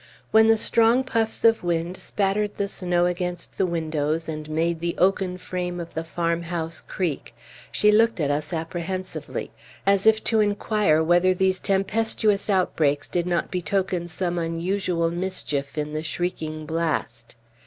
When the strong puffs of wind spattered the snow against the windows and made the oaken frame of the farmhouse creak, she looked at us apprehensively, as if to inquire whether these tempestuous outbreaks did not betoken some unusual mischief in the shrieking blast.